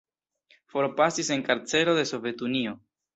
Forpasis en karcero de Sovetunio.